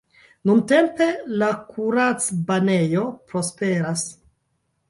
Nuntempe la kuracbanejo prosperas.